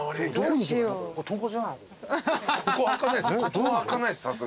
ここ開かないっす。